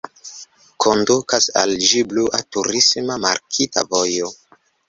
Kondukas al ĝi blua turisma markita vojo.